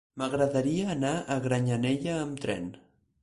M'agradaria anar a Granyanella amb tren.